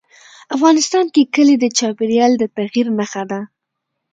افغانستان کې کلي د چاپېریال د تغیر نښه ده.